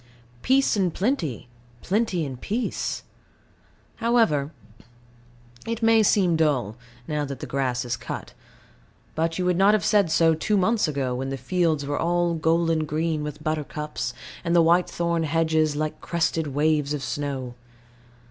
Peace and plenty, plenty and peace. However, it may seem dull, now that the grass is cut; but you would not have said so two months ago, when the fields were all golden green with buttercups, and the whitethorn hedges like crested waves of snow.